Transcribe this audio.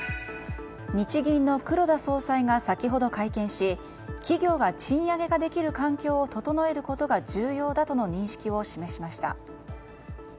日銀の黒田総裁が先ほど会見し企業が賃上げができる環境を整えることが重要だとの認識を示しました。